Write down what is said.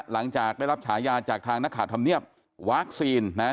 หลังจากได้รับฉายาจากทางนักข่าวธรรมเนียบวัคซีนนะครับ